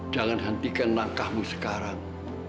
jangan hentikan langkahmu sekarang